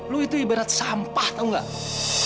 lu itu ibarat sampah tau gak